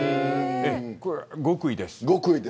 極意です。